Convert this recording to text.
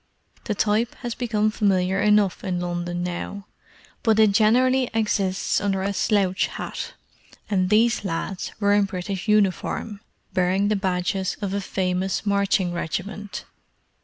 The type has become familiar enough in London now, but it generally exists under a slouch hat; and these lads were in British uniform, bearing the badges of a famous marching regiment.